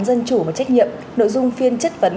dân chủ và trách nhiệm nội dung phiên chất vấn